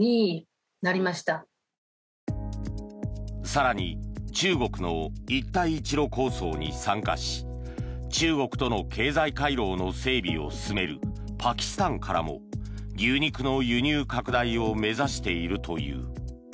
更に中国の一帯一路構想に参加し中国との経済回廊の整備を進めるパキスタンからも牛肉の輸入拡大を目指しているという。